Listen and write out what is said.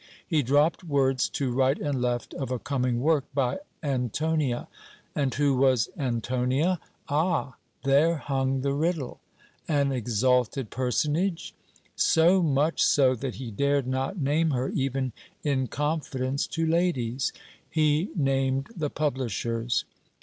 He dropped words to right and left of a coming work by ANTONIA. And who was ANTONIA? Ah! there hung the riddle. An exalted personage? So much so that he dared not name her even in confidence to ladies; he named the publishers.